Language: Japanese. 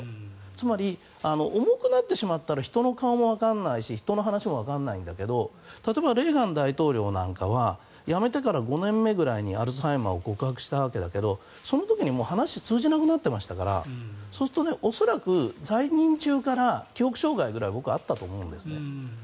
つまり、重くなってしまったら人の顔もわからないし人の話もわからないんだけど例えばレーガン大統領なんかは辞めてから５年目ぐらいにアルツハイマーを告白したんだけどその時にもう話が通じなくなっていましたからそうすると、恐らく在任中から記憶障害ぐらいは僕はあったと思うんですね。